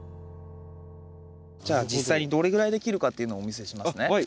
じゃあ実際にどれぐらいで切るかっていうのをお見せしますね。